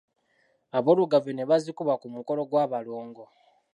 Aboolugave ne bazikuba ku mukolo gw’abalongo.